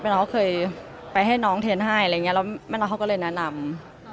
น้องเขาเคยไปให้น้องเทนให้อะไรอย่างนี้แล้วแม่น้องเขาก็เลยแนะนำ